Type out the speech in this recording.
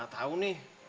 nggak tahu nih